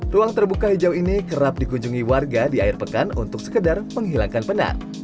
ruang terbuka hijau ini kerap dikunjungi warga di air pekan untuk sekedar menghilangkan penat